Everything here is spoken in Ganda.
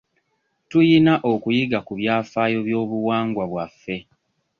Tuyina okuyiga ku byafaayo by'obuwangwa bwaffe.